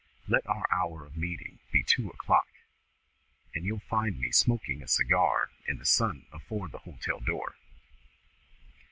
Let our hour of meeting be two o'clock, and you'll find me smoking a cigar in the sun afore the hotel door.